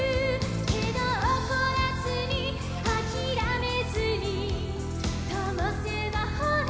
「けどおこらずにあきらめずに」「ともせばほら」